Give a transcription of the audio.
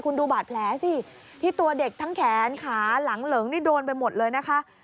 คุณดูบาดแผลสิที่ตัวเด็กทั้งแขนขาหลังเหลิงนี่โดนไปหมดเลยนะคะ